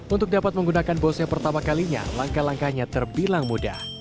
untuk dapat menggunakan bose pertama kalinya langkah langkahnya terbilang mudah